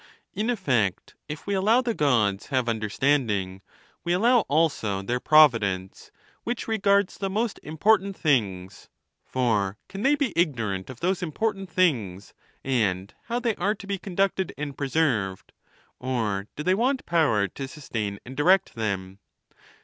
In effect, if we allow the Gods have understanding, we allow also their pi ovidence, which regards the most important things ; for, can they be ig norant of those important things, and how they are to be conducted and preserved, or do they want power to sus tain and direct them?